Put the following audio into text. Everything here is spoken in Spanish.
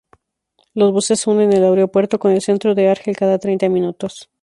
Los buses unen el aeropuerto con el centro de Argel cada treinta minutos.